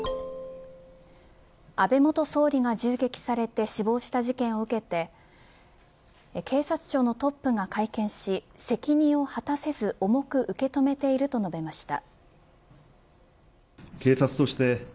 安倍元総理が銃撃されて死亡した事件を受けて警察庁のトップが会見し責任を果たせず重く受け止めていると述べました。